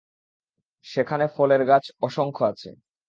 সেখানে ফলের গাছ অসংখ্য আছে।